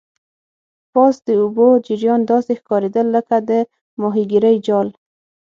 پاس د اوبو جریان داسې ښکاریدل لکه د ماهیګرۍ جال.